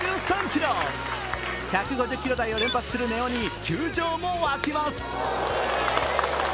１５０キロ台を連発する根尾に球場も沸きます。